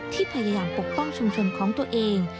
ที่พยายามปกป้องชุมชนของตัวเอง